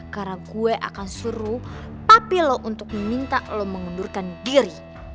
karena gue akan suruh papi lo untuk minta lo mengundurkan diri